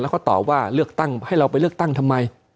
แล้วก็ตอบว่าเลือกตั้งให้เราไปเลือกตั้งทำไม